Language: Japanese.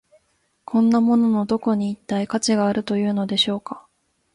こんなもののどこに、一体価値があるというのでしょうか。